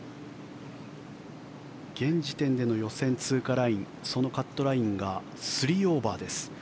現時点での予選通過ラインそのカットラインが３オーバーです。